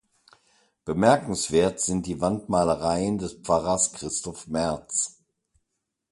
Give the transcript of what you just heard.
Bemerkenswert sind die Wandmalereien des Pfarrers Christoph März.